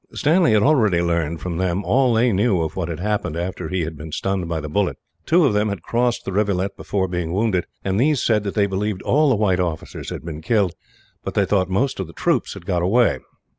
Stanley had already learned, from them, all they knew of what had happened after he had been stunned by the bullet. Two of them had crossed the rivulet, before being wounded; and these said that they believed all the white officers had been killed, but that they thought most of the troops had got away.